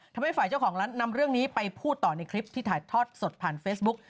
ทำให้ฝ่ายเจ้าของร้านนำเรื่องนี้ไปพูดต่อในคลิปที่ถ่ายทอดสดผ่านเฟซบุ๊ก